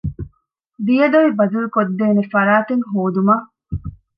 ދިޔަދޮވި ބަދަލުކޮށްދޭނެ ފަރާތެއް ހޯދުމަށް